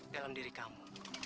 dalam diri kamu